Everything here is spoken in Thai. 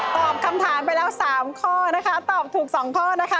ตอบคำถามไปแล้ว๓ข้อนะคะตอบถูก๒ข้อนะคะ